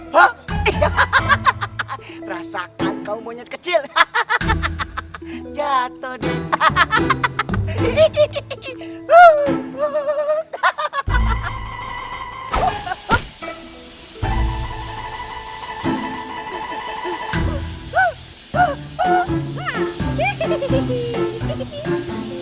hehehe awas ya monyet kecil kali ini aku akan menangkapmu belum tentu paman hehehe